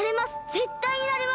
ぜったいなれます！